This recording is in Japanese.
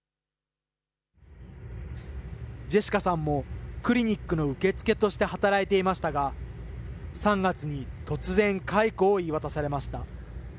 ジェシカさんも、クリニックの受付として働いていましたが、３月に突然、解雇を言い渡されました。